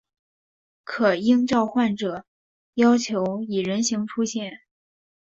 可应召唤者要求以人形出现。